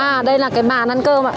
à đây là cái bàn ăn cơm ạ